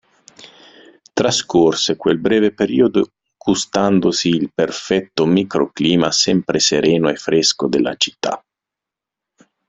Trascorse quel breve periodo gustandosi il perfetto microclima sempre sereno e fresco della città.